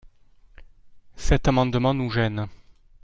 Cet amendement nous gêne.